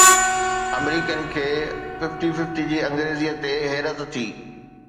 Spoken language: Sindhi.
آمريڪين کي ففٽي ففٽي جي انگريزيءَ تي حيرت ٿي